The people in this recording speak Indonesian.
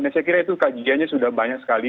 dan saya kira itu kajiannya sudah banyak sekali